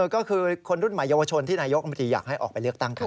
ก็คือคนรุ่นใหม่เยาวชนที่นายกมนตรีอยากให้ออกไปเลือกตั้งกัน